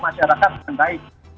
masyarakat yang baik